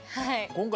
今回。